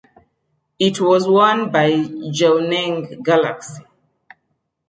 It was won by Jwaneng Galaxy.